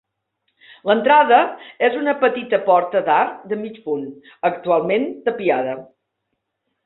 L'entrada és una petita porta d'arc de mig punt, actualment tapiada.